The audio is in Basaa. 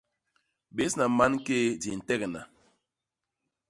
Bésna mankéé di ntegna.